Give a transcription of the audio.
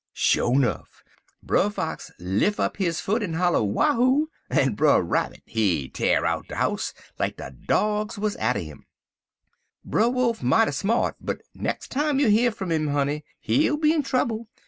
"Sho' nuff, Brer Fox lif' up his foot en holler wahoo! en Brer Rabbit he tear out de house like de dogs wuz atter 'im. Brer Wolf mighty smart, but nex' time you hear fum 'im, honey, he'll be in trouble.